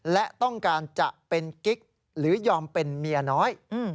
และต้องการจะเป็นกิ๊กหรือยอมเป็นเมียน้อย